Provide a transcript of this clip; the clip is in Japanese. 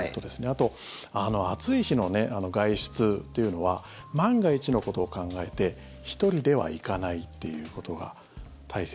あと、暑い日の外出というのは万が一のことを考えて１人では行かないということが大切。